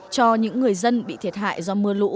cho những người dân bị thiệt hại do mưa lũ